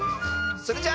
それじゃあ。